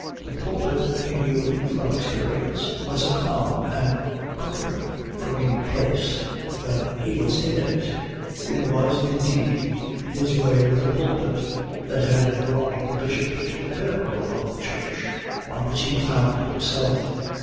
The pulpit, he knew from experience, was a calm and comfort bringing place when he was in it; it was, indeed, his way with a pulpit that had brought the Bishop to the pinnacle of the Church on which he found himself.